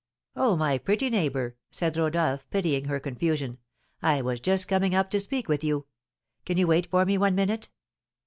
"Oh, my pretty neighbour," said Rodolph, pitying her confusion, "I was just coming up to speak with you. Can you wait for me one minute?"